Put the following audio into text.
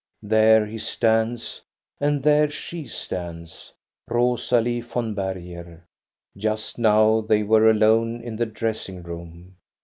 There he stands, and there she stands, Rosalie von Berger. Just now they were alone in the dressing room.